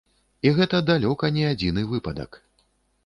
І гэта далёка не адзіны выпадак.